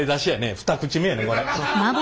二口目やねこれ。